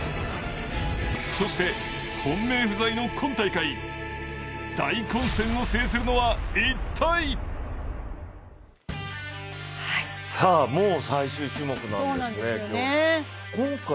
そして、本命不在の今大会大混戦を制するのは一体もう最終種目なんですね今日。